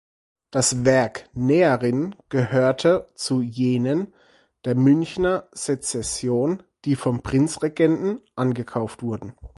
Das Werk "Näherin" gehörte zu jenen der Münchner Secession, die vom Prinzregenten angekauft wurden.